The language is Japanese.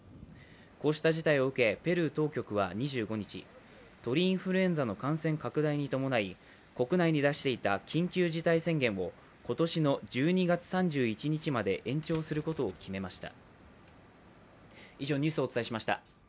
こうした事態を受けペルー当局は２５日、鳥インフルエンザの感染拡大に伴い国内に出していた緊急事態宣言を今年の１２月３１日まで延長することを決めました。